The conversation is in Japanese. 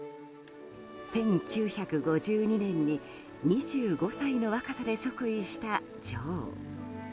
１９５２年に２５歳の若さで即位した女王。